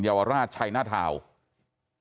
ยาวราชชัยหน้าทาวน์